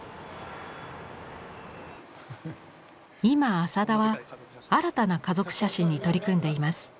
今浅田は新たな「家族写真」に取り組んでいます。